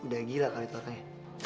udah gila kali tuh orangnya